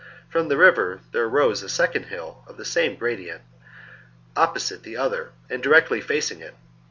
From the selected for nvcr thcrc arose a second hill of the same STmp^'^^ gradient, opposite the other and directly facing it.